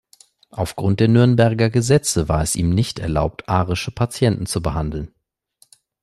Aufgrund der Nürnberger Gesetze war es ihm nicht erlaubt, arische Patienten zu behandeln.